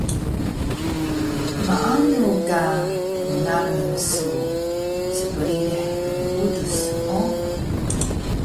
Maanu ka ngngalun su spririh knuudus su ho